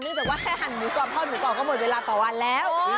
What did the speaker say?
จากว่าแค่หั่นหมูกรอบทอดหมูกรอบก็หมดเวลาต่อวันแล้ว